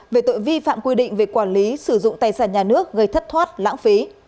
về tội vi phạm quy định về quản lý sử dụng tài sản nhà nước gây thất thoát lãng phí